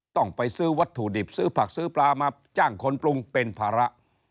ต้องไปซื้อวัตถุดิบซื้อผักซื้อปลามาจ้างคนปรุงเป็นภาระ